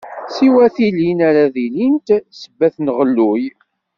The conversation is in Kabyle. Siwa tilin ara d-ilint sebbat n uɣelluy.